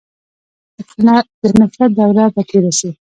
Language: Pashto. د نفرت دوره به تېره سي.